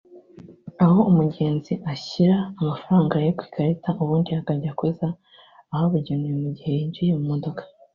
aho umugenzi ashyira amafaranga ye ku ikarita ubundi akajya akoza ahabugenewe mu gihe yinjiye mu modoka